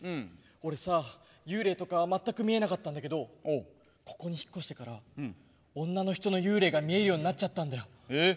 俺さ、幽霊とか全然見えなかったんだけどここに引っ越してから女の人の幽霊が見えるようになっちゃったんだよ。